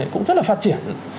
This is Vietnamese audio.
cũng rất là phát triển